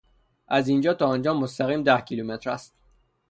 از اینجا تا آنجا مستقیم ده کیلومتر است.